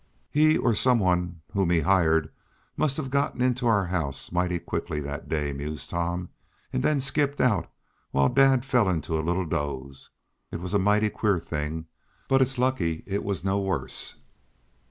"He, or some one whom he hired, must have gotten into our house mighty quickly that day," mused Tom, "and then skipped out while dad fell into a little doze. It was a mighty queer thing, but it's lucky it was no worse."